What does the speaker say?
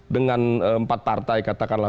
dengan empat partai katakanlah